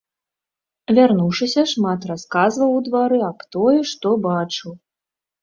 Вярнуўшыся, шмат расказваў у двары аб тое, што бачыў.